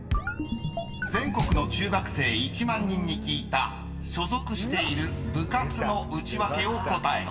［全国の中学生１万人に聞いた所属している部活のウチワケを答えろ］